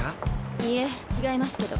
いえ違いますけど。